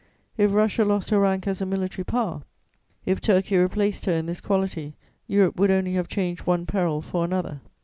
If Russia lost her rank as a military power, if Turkey replaced her in this quality, Europe would only have changed one peril for another.